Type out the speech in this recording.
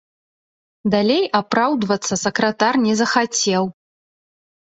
Далей апраўдвацца сакратар не захацеў.